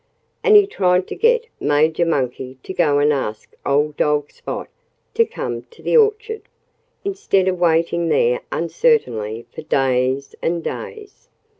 And he tried to get Major Monkey to go and ask old dog Spot to come to the orchard, instead of waiting there uncertainly for days and days.